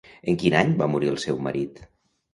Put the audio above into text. En quin any va morir el seu marit?